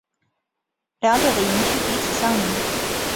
两者的营区彼此相邻。